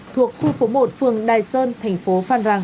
thuộc khu phố một phường đài sơn thành phố phan rang